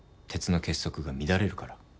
鉄の結束が乱れるから。